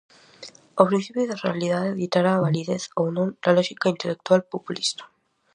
O principio de realidade ditará a validez, ou non, da lóxica intelectual populista.